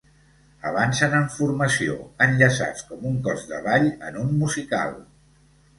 Avancen en formació, enllaçats com un cos de ball en un musical.